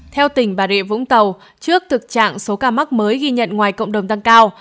theo tỉnh bà rịa vũng tàu trước thực trạng số ca mắc mới ghi nhận ngoài cộng đồng tăng cao